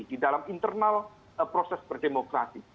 di dalam internal proses berdemokrasi